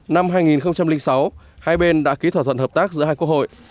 năm hai nghìn sáu hai bên đã ký thỏa thuận hợp tác giữa hai quốc hội